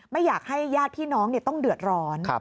ไม่อยากให้ญาติพี่น้องต้องเดือดร้อน